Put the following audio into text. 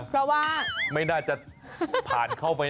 เพราะว่าไม่น่าจะผ่านเข้าไป